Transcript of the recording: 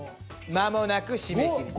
間もなく締め切りです。